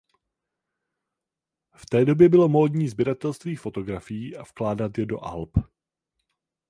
V té době bylo módní sběratelství fotografií a vkládat je do alb.